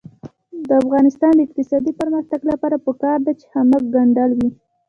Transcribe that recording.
د افغانستان د اقتصادي پرمختګ لپاره پکار ده چې خامک ګنډل وي.